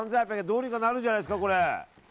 どうにかなるんじゃないですか。